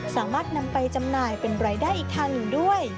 สามารถนำไปจำหน่ายเป็นรายได้อีกทางหนึ่งด้วย